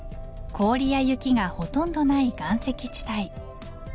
氷や雪がほとんどない岩石地帯。